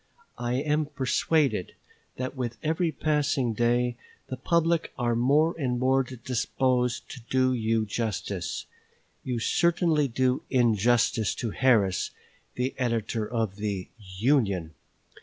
I am persuaded that with every passing day the public are more and more disposed to do you justice. You certainly do injustice to Harris, the editor of the "Union."